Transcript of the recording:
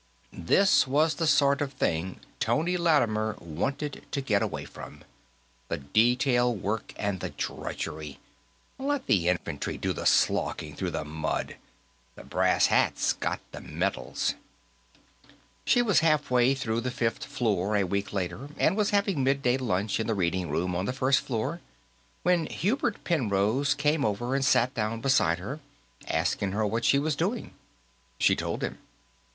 That was the sort of thing Tony Lattimer wanted to get away from, the detail work and the drudgery. Let the infantry do the slogging through the mud; the brass hats got the medals. She was halfway through the fifth floor, a week later, and was having midday lunch in the reading room on the first floor when Hubert Penrose came over and sat down beside her, asking her what she was doing. She told him.